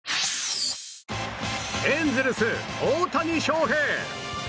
エンゼルス、大谷翔平。